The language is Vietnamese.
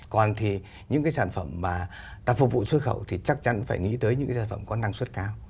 còn thì những cái sản phẩm mà ta phục vụ xuất khẩu thì chắc chắn phải nghĩ tới những cái sản phẩm có năng suất cao